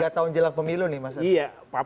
tiga tahun jelang pemilu nih mas adi